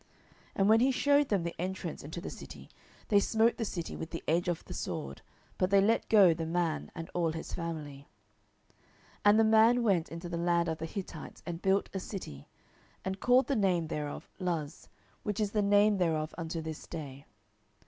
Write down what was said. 07:001:025 And when he shewed them the entrance into the city, they smote the city with the edge of the sword; but they let go the man and all his family. 07:001:026 And the man went into the land of the Hittites, and built a city, and called the name thereof Luz: which is the name thereof unto this day.